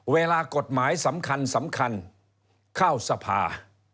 เวลากฎหมายสำคัญสำคัญเข้าสภา